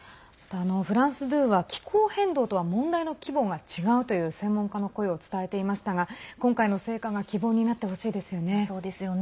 フランス２は気候変動とは問題の規模が違うという専門家の声を伝えていましたが今回の成果が希望になってほしいですよね。